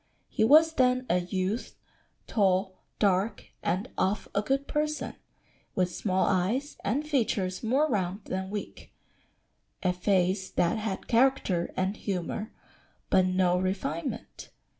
He was then a youth, tall, dark, and of a good person, with small eyes, and features more round than weak; a face that had character and humour, but no refinement."